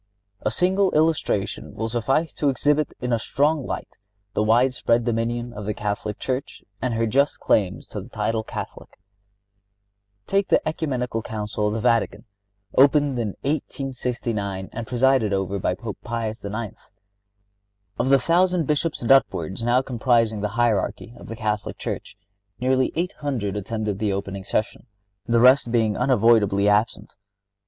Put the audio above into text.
A single illustration will suffice to exhibit in a strong light the widespread dominion of the Catholic Church and her just claims to the title of Catholic. Take the Ecumenical Council of the Vatican, opened in 1869 and presided over by Pope Pius IX. Of the thousand Bishops and upwards now comprising the hierarchy of the Catholic Church, nearly eight hundred attended the opening session, the rest being unavoidably absent.